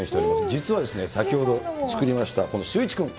実は、先ほど作りました、このシューイチくん。